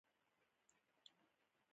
فېسبوک د خلکو د احساساتو د څرګندولو ځای دی